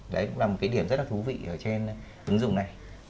đấy cũng là một cái điểm rất là thú vị ở trên ứng dụng này